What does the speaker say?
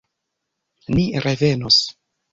Ni revenos!